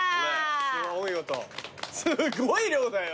すごい量だよ。